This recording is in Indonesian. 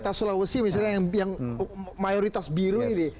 kota sulawesi misalnya yang mayoritas biru ini